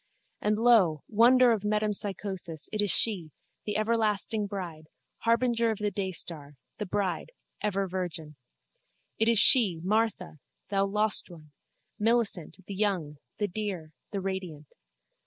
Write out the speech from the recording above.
And lo, wonder of metempsychosis, it is she, the everlasting bride, harbinger of the daystar, the bride, ever virgin. It is she, Martha, thou lost one, Millicent, the young, the dear, the radiant.